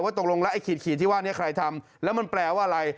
ตกลงแล้วไอ้ขีดที่ว่านี้ใครทำแล้วมันแปลว่าอะไร